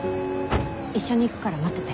一緒に行くから待ってて。